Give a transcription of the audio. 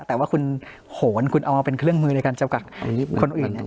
แต่ว่าคุณโหนคุณเอามาเป็นเครื่องมือในการเจ้ากักคนอื่น